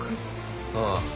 ああ。